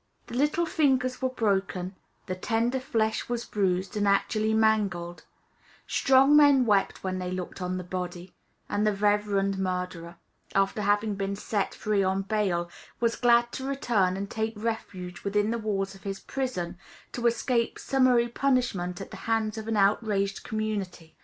The little fingers were broken; the tender flesh was bruised and actually mangled; strong men wept when they looked on the body; and the reverend murderer, after having been set free on bail, was glad to return and take refuge within the walls of his prison, to escape summary punishment at the hands of an outraged community.